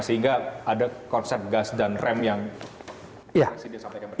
sehingga ada konsep gas dan rem yang presiden sampaikan